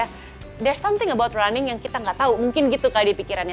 there s something about running yang kita gak tau mungkin gitu kali di pikirannya